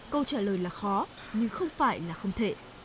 câu trả lời là khó nhưng không phải là không thể